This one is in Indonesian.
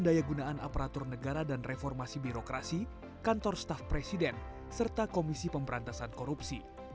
kampung perpres juga mengisi bidang pencegahan korupsi kantor staff presiden serta komisi pemberantasan korupsi